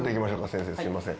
先生すいません。